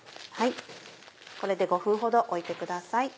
これで５分ほど置いてください。